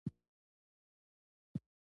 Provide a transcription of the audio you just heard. بخاري د ژمي د یخنۍ پر وړاندې مؤثره وسیله ده.